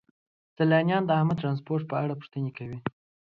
سیلانیان د عامه ترانسپورت په اړه پوښتنې کوي.